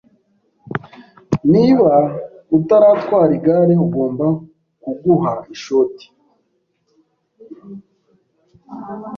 Niba utaratwara igare, ugomba kuguha ishoti.